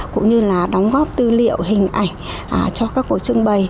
cũng như là đóng góp tư liệu hình ảnh cho các cuộc trưng bày